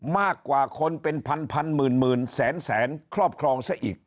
มากกว่าคนเป็นพันหมื่นแสนครอบครองซะอีก